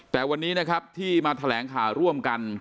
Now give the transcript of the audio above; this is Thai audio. แต่วันนี้นะครับที่มาแถลงข่าวร่วมกัน